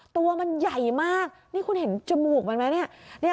ตัวมันใหญ่มากนี่คุณเห็นจมูกมันไหมเนี่ย